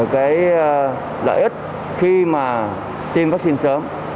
cái lợi ích khi mà tiêm vaccine sớm